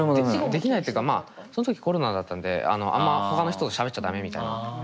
できないってかまあその時コロナだったんであんまほかの人としゃべっちゃ駄目みたいな。